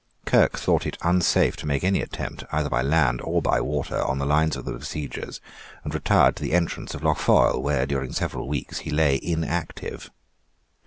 Kirke thought it unsafe to make any attempt, either by land or by water, on the lines of the besiegers, and retired to the entrance of Lough Foyle, where, during several weeks, he lay inactive.